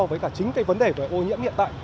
với chính vấn đề về ô nhiễm hiện tại